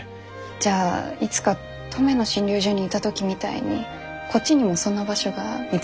じゃあいつか登米の診療所にいた時みたいにこっちにもそんな場所が見つけられたらいいですね。